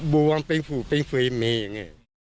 บวงเป็นฟูเป็นฟือเหมเดนี่